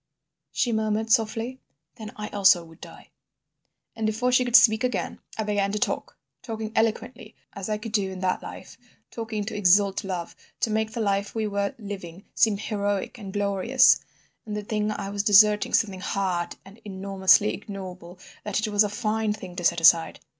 she murmured, softly. "'Then—I also would die.' "And before she could speak again I began to talk, talking eloquently—as I could do in that life—talking to exalt love, to make the life we were living seem heroic and glorious; and the thing I was deserting something hard and enormously ignoble that it was a fine thing to set aside.